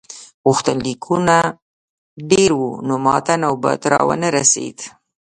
غوښتنلیکونه ډېر وو نو ماته نوبت را ونه رسیده.